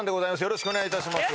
よろしくお願いたします